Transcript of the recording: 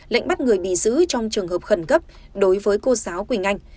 lệnh bắt người bị giữ trong trường hợp khẩn cấp đối với cô giáo quỳnh anh